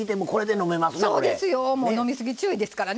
飲みすぎ注意ですからね。